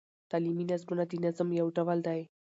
تعلیمي نظمونه د نظم یو ډول دﺉ.